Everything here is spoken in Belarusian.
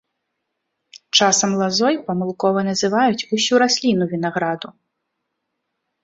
Часам лазой памылкова называюць усю расліну вінаграду.